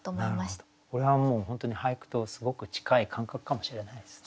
これはもう本当に俳句とすごく近い感覚かもしれないですね。